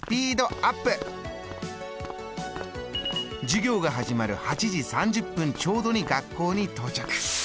授業が始まる８時３０分ちょうどに学校に到着。